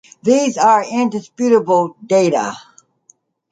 These are indisputable data.